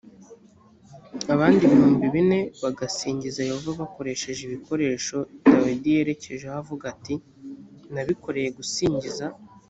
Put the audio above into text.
abandi ibihumbi bine bagasingiza yehova bakoresheje ibikoresho dawidi yerekejeho avuga ati nabikoreye gusingiza